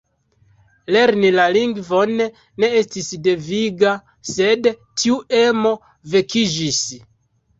Lerni la lingvon ne estis deviga, sed tiu emo vekiĝis.